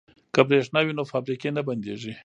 که بریښنا وي نو فابریکې نه بندیږي.